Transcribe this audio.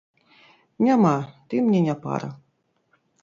Няма, ты мне не пара.